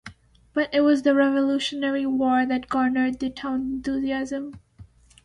But it was the Revolutionary War that garnered the town's enthusiasm.